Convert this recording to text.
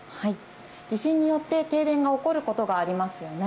地震によって停電が起こることがありますよね。